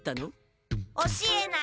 教えない！